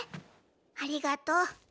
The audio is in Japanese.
ありがとう。